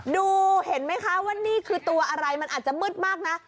ดูเห็นไหมคะว่านี่คือตัวอะไรมันอาจจะมืดมากนะ